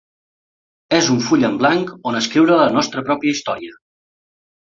És un full en blanc on escriure la nostra pròpia història.